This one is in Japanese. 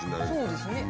そうですね。